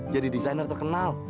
jadi desainer terkenal